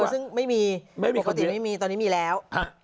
เออซึ่งไม่มีปกติไม่มีตอนนี้มีแล้ว